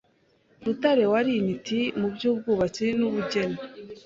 Rutare wari intiti mu by’ubwubatsi n’ubugeni,